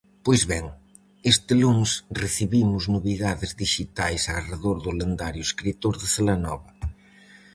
Pois ben, este luns recibimos novidades dixitais arredor do lendario escritor de Celanova.